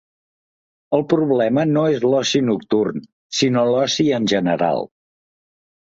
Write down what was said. El problema no és l’oci nocturn, sinó l’oci en general.